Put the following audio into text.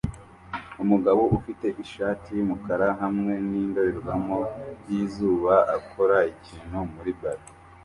Umugabo ufite ishati yumukara hamwe nindorerwamo yizuba akora ikintu muri ballon